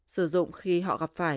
sử dụng khi họ gặp phải